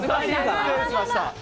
失礼しました。